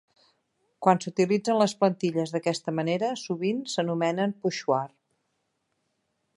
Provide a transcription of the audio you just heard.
Quan s'utilitzen les plantilles d'aquesta manera, sovint s'anomenen "pochoir".